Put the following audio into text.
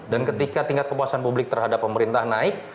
dan ketika tingkat kepuasan publik terhadap pemerintah naik